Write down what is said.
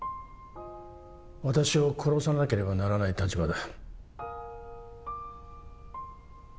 私を殺さなければならない立場だ